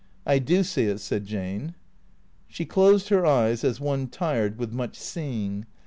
" I do see it," said Jane. She closed her eyes as one tired with much seeing.